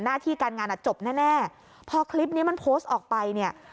หน้าที่การงานอ่ะจบแน่แน่พอคลิปนี้มันโพสต์ออกไปเนี่ย